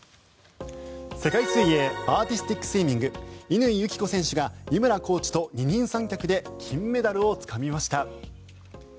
世界水泳アーティスティックスイミング乾友紀子選手が井村コーチと二人三脚で金メダルをつかみました。